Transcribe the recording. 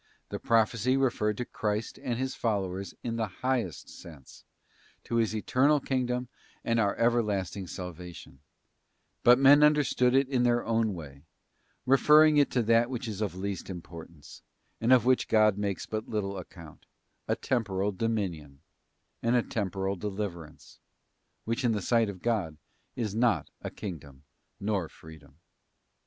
The prophecy referred to Christ and His followers in the highest sense, to His eternal kingdom and our everlasting salvation; but men understood it in their own way, referring it to that which is of least importance, and of which God makes but little account, a temporal dominion, and a temporal deliverance, which in the sight of God is not a kingdom nor freedom.